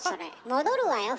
戻るわよ